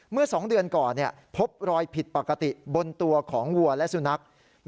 เมื่อ๒เดือนก่อนพบรอยผิดปกติบนตัวของวัวและสุนัข